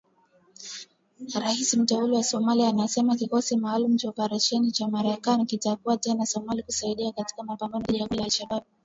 Rais mteule wa Somalia anasema kikosi maalum cha operesheni cha Marekani kitakuwa tena Somalia kusaidia katika mapambano dhidi ya kundi la kigaidi la al-Shabaab.